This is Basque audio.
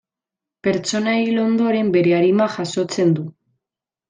Pertsona hil ondoren bere arima jasotzen du.